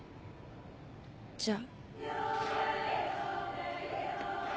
じゃあ。